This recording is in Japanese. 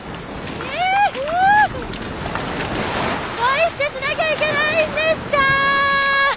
恋ってしなきゃいけないんですか？